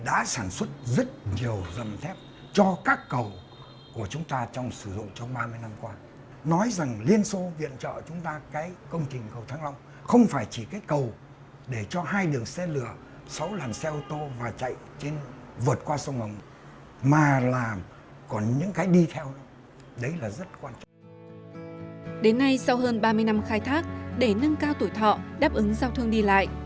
đến nay sau hơn ba mươi năm khai thác để nâng cao tuổi thọ đáp ứng giao thương đi lại